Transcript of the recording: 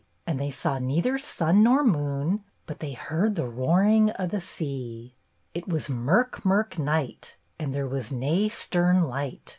And they saw neither sun nor moon. But they heard the roaring o* the sea. "' It was mirk mirk night, and there was nae stern light.